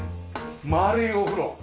丸いお風呂。